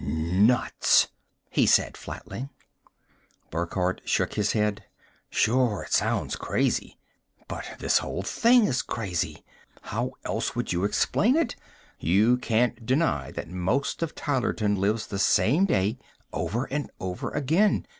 "Nuts!" he said flatly. Burckhardt shook his head. "Sure, it sounds crazy but this whole thing is crazy. How else would you explain it? You can't deny that most of Tylerton lives the same day over and over again.